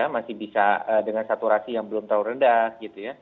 masih bisa dengan saturasi yang belum terlalu rendah